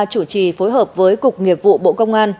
chủ trì phối hợp với cục nghiệp vụ bộ công an